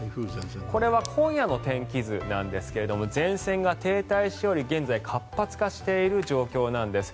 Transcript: これは今夜の天気図なんですが前線が停滞しており現在活発化している状況なんです。